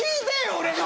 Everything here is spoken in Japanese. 俺の！